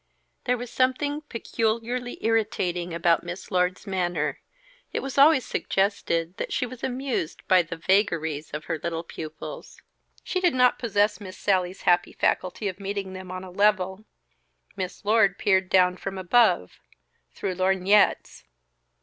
There was something peculiarly irritating about Miss Lord's manner; it always suggested that she was amused by the vagaries of her little pupils. She did not possess Miss Sallie's happy faculty of meeting them on a level. Miss Lord peered down from above (through lorgnettes).